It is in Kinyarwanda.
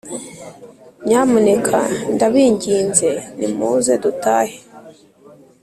nyamuneka ndabinginze nimuze dutahe.